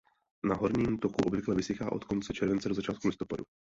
Na horním toku obvykle vysychá od konce července do začátku listopadu.